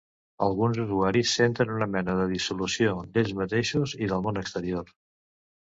Alguns usuaris senten una mena de dissolució d'ells mateixos i del món exterior.